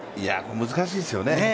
難しいですよね。